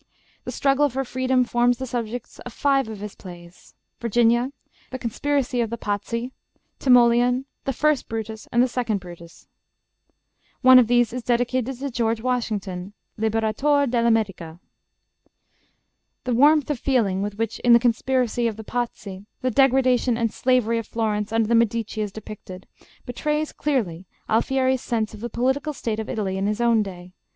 The struggle for freedom forms the subjects of five of his plays, 'Virginia,' 'The Conspiracy of the Pazzi,' 'Timoleon,' the 'First Brutus,' and the 'Second Brutus.' One of these is dedicated to George Washington 'Liberator dell' America.' The warmth of feeling with which, in the 'Conspiracy of the Pazzi,' the degradation and slavery of Florence under the Medici is depicted, betrays clearly Alfieri's sense of the political state of Italy in his own day.